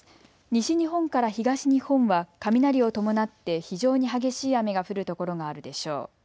西日本から東日本は雷を伴って非常に激しい雨が降る所があるでしょう。